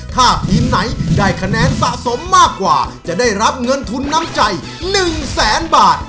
ถ้าทีมไหนได้คะแนนสะสมมากกว่าจะได้รับเงินทุนน้ำใจ๑แสนบาท